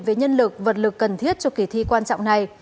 về nhân lực vật lực cần thiết cho kỳ thi quan trọng này